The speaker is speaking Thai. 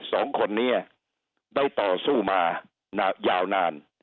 สองคนนี้ได้ต่อสู้มายาวนาน